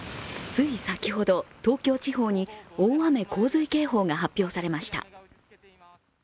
つい先ほど東京地方に大雨洪水警報が発表されました。